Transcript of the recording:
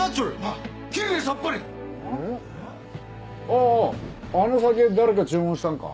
あぁあの酒誰か注文したんか？